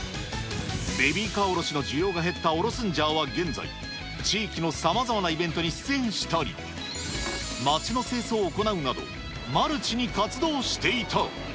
ベビーカー下ろしの需要が減ったおろすんジャーは現在、地域のさまざまなイベントに出演したり、街の清掃を行うなど、マルチに活動していた。